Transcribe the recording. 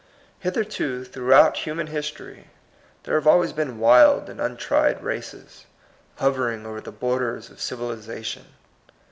Hitherto, throughout human history, there have alwajrs been wild and untried races, hovering over the borders of civilization.